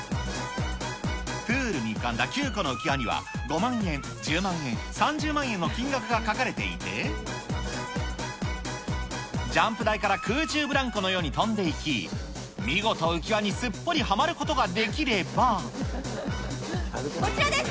プールに浮かんだ９個の浮き輪には、５万円、１０万円、３０万円の金額が書かれていて、ジャンプ台から空中ブランコのように飛んでいき、見事、浮き輪にこちらです。